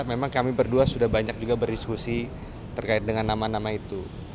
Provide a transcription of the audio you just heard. memang kami berdua sudah banyak juga berdiskusi terkait dengan nama nama itu